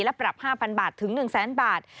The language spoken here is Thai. และปรับ๕๐๐บาทถึง๑แสนบาท